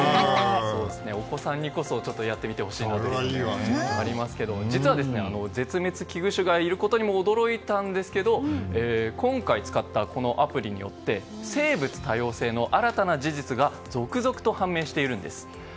お子さんにこそやってみてほしいなというのがありますが実は、絶滅危惧種がいることにも驚いたんですけど今回、使ったこのアプリによって生物多様性の新たな事実が続々と判明しているんです。